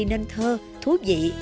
nên thơ thú vị